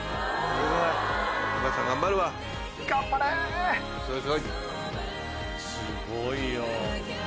すごいよ。